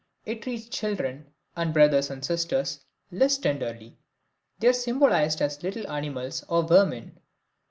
It treats children, and brothers and sisters, less tenderly; they are symbolized as little animals or vermin.